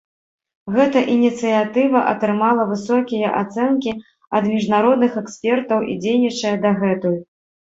Гэта ініцыятыва атрымала высокія ацэнкі ад міжнародных экспертаў і дзейнічае дагэтуль.